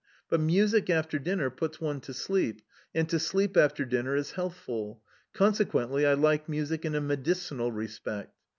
But music after dinner puts one to sleep, and to sleep after dinner is healthful; consequently I like music in a medicinal respect.